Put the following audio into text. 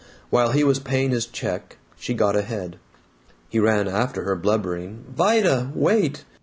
While he was paying his check she got ahead. He ran after her, blubbering, "Vida! Wait!"